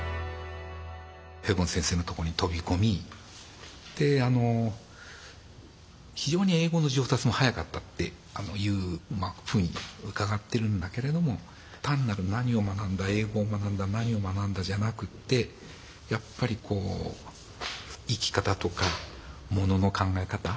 ヘボン先生のとこに飛び込み非常に英語の上達も早かったっていうふうに伺ってるんだけれども単なる何を学んだ英語を学んだ何を学んだじゃなくてやっぱり生き方とかものの考え方。